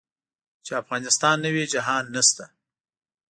چې افغانستان نه وي جهان نشته.